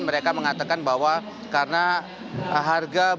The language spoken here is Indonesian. dan mereka mengatakan bahwa karena harga berbeda